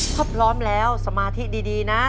ถ้าพร้อมแล้วสมาธิดีนะ